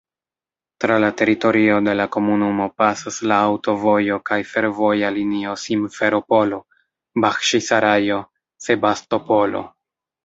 Tra la teritorio de la komunumo pasas la aŭtovojo kaj fervoja linio Simferopolo—Baĥĉisarajo—Sebastopolo.